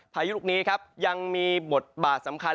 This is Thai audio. พายุลูกนี้ครับยังมีบทบาทสำคัญ